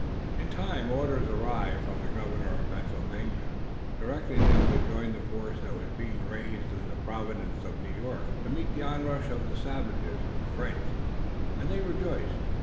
In time orders arrived from the Governor of Pennsylvania, directing them to join the force that was being raised in the province of New York to meet the onrush of the savages and the French, and they rejoiced.